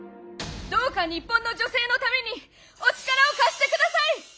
どうか日本の女性のためにお力を貸してください！